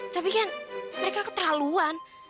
tapi kan mereka keterlaluan